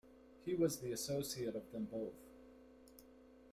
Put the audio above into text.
He was the associate of them both.